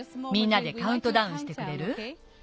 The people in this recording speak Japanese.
みんなでカウントダウンしてくれる？